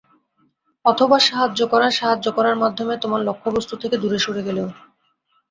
অথবা সাহায্য করা, সাহায্য করার মাধ্যমে তোমার লক্ষ্যবস্তু থেকে দূরে সরে গেলেও।